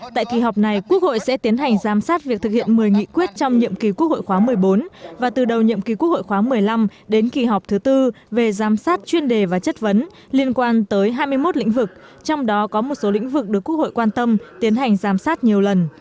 tại kỳ họp này quốc hội sẽ tiến hành giám sát việc thực hiện một mươi nghị quyết trong nhiệm kỳ quốc hội khóa một mươi bốn và từ đầu nhiệm kỳ quốc hội khoáng một mươi năm đến kỳ họp thứ tư về giám sát chuyên đề và chất vấn liên quan tới hai mươi một lĩnh vực trong đó có một số lĩnh vực được quốc hội quan tâm tiến hành giám sát nhiều lần